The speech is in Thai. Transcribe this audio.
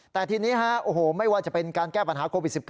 แต่ทีนี้ไม่ว่าจะเป็นการแก้ปัญหาโควิด๑๙